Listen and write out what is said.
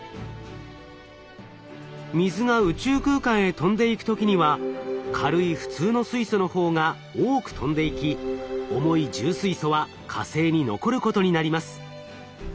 水が宇宙空間へ飛んでいく時には軽い普通の水素の方が多く飛んでいき重い重水素は火星に残ることになります。